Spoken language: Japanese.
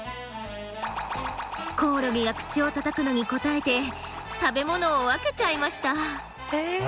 コオロギが口をたたくのに応えて食べ物を分けちゃいました。